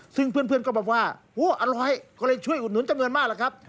ซึ่งเพื่อนก็บอกว่าอร่อยก็เลยช่วยอุดหนุนจำนวนมากแหละครับ